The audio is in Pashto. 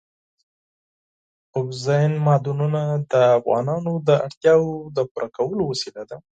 اوبزین معدنونه د افغانانو د اړتیاوو د پوره کولو وسیله ده.